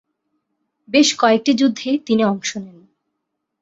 বেশ কয়েকটি যুদ্ধে তিনি অংশ নেন।